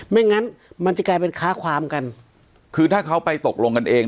ไม่งั้นมันจะกลายเป็นค้าความกันคือถ้าเขาไปตกลงกันเอง